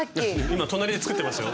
今隣で作ってましたよ。